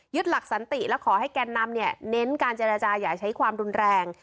หลักสันติและขอให้แกนนำเนี่ยเน้นการเจรจาอย่าใช้ความรุนแรง